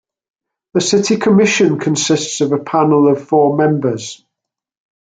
The city commission consists of a panel of four members.